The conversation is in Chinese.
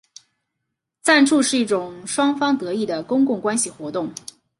赞助是一种双方得益的公共关系活动。